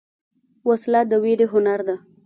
وسله د ویرې هنر ده